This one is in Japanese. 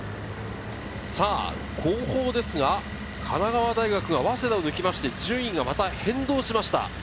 後方ですが、神奈川大学が早稲田を抜きまして順位がまた変動しました。